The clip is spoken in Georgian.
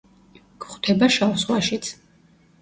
გვხვდება შავ ზღვაშიც.